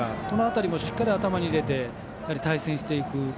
この辺りもしっかり頭に入れて対戦していく。